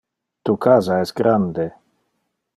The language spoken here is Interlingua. Tu casa es grande.